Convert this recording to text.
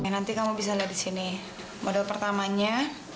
nanti kamu bisa lihat disini model pertamanya